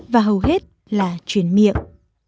và hầu hết là chuyển miệng